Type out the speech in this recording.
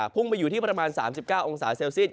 พุ่งไปอยู่ที่ประมาณ๓๙องศาเซลเซียต